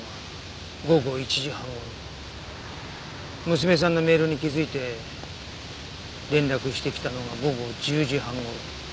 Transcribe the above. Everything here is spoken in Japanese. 娘さんのメールに気づいて連絡してきたのが午後１０時半頃。